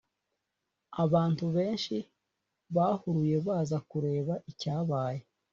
abantu benshi bahuruye baza kureba icyabaye